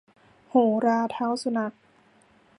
โหราเท้าสุนัข